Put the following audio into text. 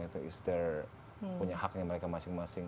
it's their punya haknya mereka masing masing